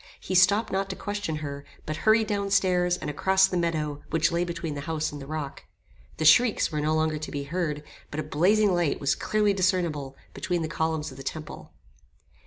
He stopped not to question her, but hurried down stairs and across the meadow which lay between the house and the rock. The shrieks were no longer to be heard; but a blazing light was clearly discernible between the columns of the temple.